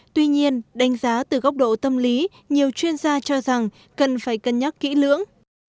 tuy nhiên đánh giá từ góc độ tâm lý nhiều chuyên gia cho rằng cần phải cân nhắc kỹ lưỡng